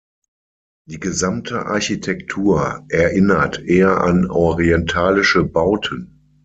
Die gesamte Architektur erinnert eher an orientalische Bauten.